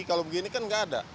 kalau begini kan nggak ada